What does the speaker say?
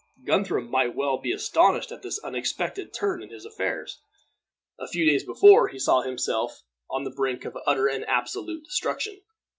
Guthrum might well be astonished at this unexpected turn in his affairs. A few days before, he saw himself on the brink of utter and absolute destruction.